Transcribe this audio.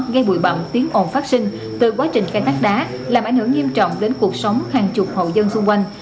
và tiếng hồn phát sinh từ quá trình cây tắt đá làm ảnh hưởng nghiêm trọng đến cuộc sống hàng chục hậu dân xung quanh